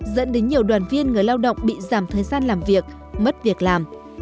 dẫn đến nhiều đoàn viên người lao động bị giảm thời gian làm việc mất việc làm